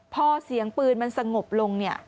พอเสียงปืนมันสงบลงเนี่ย